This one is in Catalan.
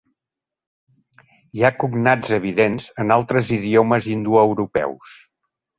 Hi ha cognats evidents en altres idiomes indoeuropeus.